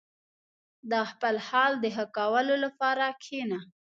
• د خپل حال د ښه کولو لپاره کښېنه.